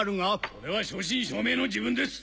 それは正真正銘の自分です！